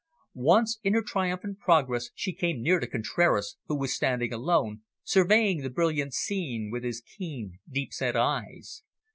Once in her triumphant progress she came near to Contraras, who was standing alone, surveying the brilliant scene with his keen, deep set eyes.